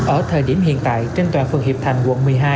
ở thời điểm hiện tại trên toàn phường hiệp thành quận một mươi hai